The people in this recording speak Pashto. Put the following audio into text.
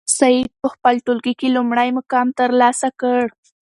سعید په خپل ټولګي کې لومړی مقام ترلاسه کړ.